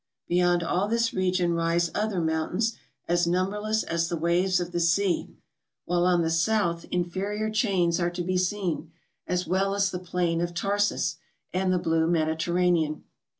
Beyond all this region rise other moun¬ tains as numberless as the waves of the sea; while on the south inferior chains are to be seen, as well as the plain of Tarsus, and the blue INIediterranean.